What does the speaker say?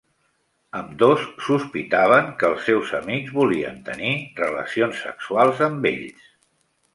Ambdós sospitaven que els seus amics volien tenir relacions sexuals amb ells.